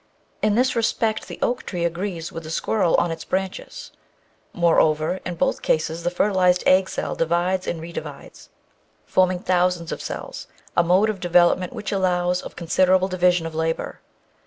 In this respect the oak tree agrees with the squirrel on its branches. Moreover, in both cases the fertilised egg cell divides Natural History 615 and re divides, forming thousands of cells, a mode of development which allows of considerable division of labour.